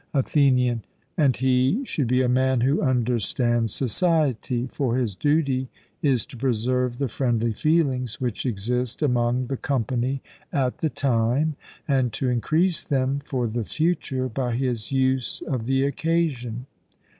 ATHENIAN: And he should be a man who understands society; for his duty is to preserve the friendly feelings which exist among the company at the time, and to increase them for the future by his use of the occasion.